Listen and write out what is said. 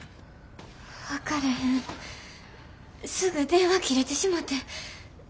分かれへんすぐ電話切れてしもて。